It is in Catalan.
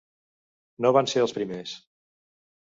No van ser els primers.